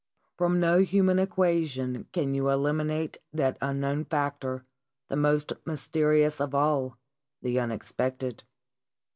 " From no human equation can you eliminate that unknown factor, the most mysterious of all, the unexpected."